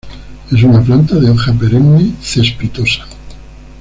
Es una planta de hoja perenne, cespitosa.